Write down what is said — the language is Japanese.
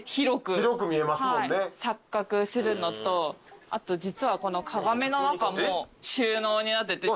錯覚するのとあと実はこの鏡の中も収納になっていて。